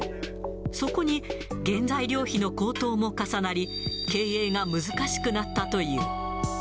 そこに原材料費の高騰も重なり、経営が難しくなったという。